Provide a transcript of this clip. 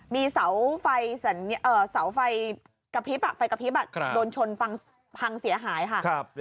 มีเสาไฟกระพริบอ่ะโดนชนภังเสียหายค่ะ